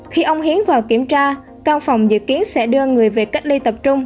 khi ông hiến vào kiểm tra căn phòng dự kiến sẽ đưa người về cách ly tập trung